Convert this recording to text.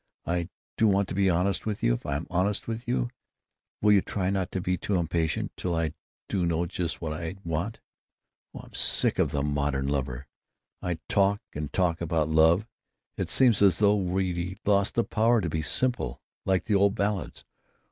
I do want to be honest with you. If I'm honest, will you try not to be too impatient till I do know just what I want?... Oh, I'm sick of the modern lover! I talk and talk about love; it seems as though we'd lost the power to be simple, like the old ballads.